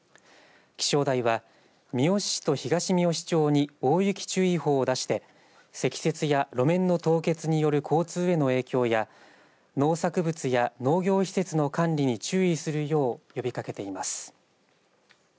気象台は、三好市と東みよし町に大雪注意報を出して積雪や路面の凍結による交通への影響や農作物や農業施設の管理に注意するよう呼びかけています。